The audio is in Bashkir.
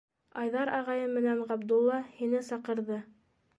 Айҙар ағайым менән Ғабдулла һине саҡырҙы.